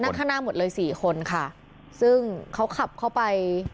ข้างหน้าหมดเลยสี่คนค่ะซึ่งเขาขับเข้าไป